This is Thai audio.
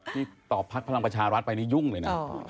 ที่ตอบพักพลังประชารัฐไปนี่ยุ่งเลยนะ